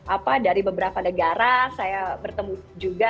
apa dari beberapa negara saya bertemu juga